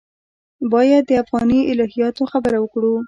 باید د افغاني الهیاتو خبره وکړو.